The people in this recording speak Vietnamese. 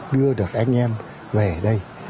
đưa được anh em về đây